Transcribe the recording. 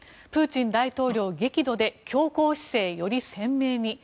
プーチン大統領、激怒で強硬姿勢より鮮明に。